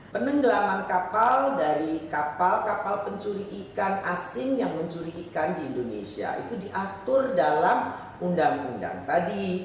penenggelaman kapal dari kapal kapal pencuri ikan asing yang mencuri ikan di indonesia itu diatur dalam undang undang tadi